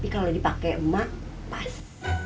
kalau dipake mak pas